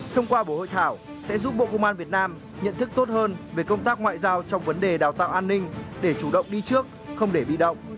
thông qua bộ hội thảo sẽ giúp bộ công an việt nam nhận thức tốt hơn về công tác ngoại giao trong vấn đề đào tạo an ninh để chủ động đi trước không để bị động